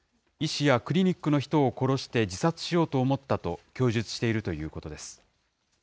医師やクリニックの人を殺して自殺しようと思ったと供述しているということです。